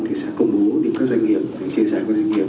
thì sẽ công bố đến các doanh nghiệp chia sẻ với doanh nghiệp